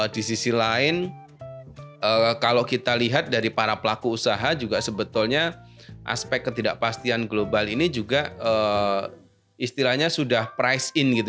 di sisi lain kalau kita lihat dari para pelaku usaha juga sebetulnya aspek ketidakpastian global ini juga istilahnya sudah price in gitu